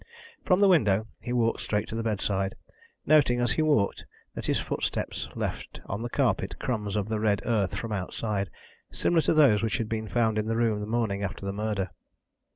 From the window he walked straight to the bedside, noting, as he walked, that his footsteps left on the carpet crumbs of the red earth from outside, similar to those which had been found in the room the morning after the murder.